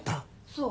そう。